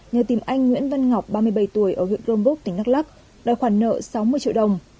nhờ tìm anh nguyễn văn ngọc ba mươi bảy tuổi ở huyện grôm vúc tỉnh đắk lắk đòi khoản nợ sáu mươi triệu đồng